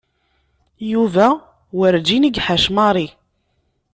Yuba werǧin i iḥac Mary.